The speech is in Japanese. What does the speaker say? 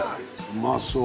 「うまそう！